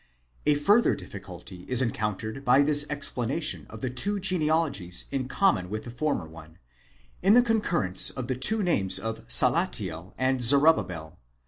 ΠΑ further difficulty is encountered by this explanation of the two genealogies in common with the former one, in the concurrence of the two names of Salathiel and Zorobabel.